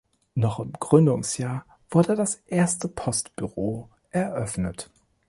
Noch im Gründungsjahr wurde das erste Postbüro eröffnet.